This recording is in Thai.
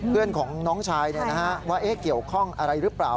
เพื่อนของน้องชายว่าเกี่ยวข้องอะไรหรือเปล่า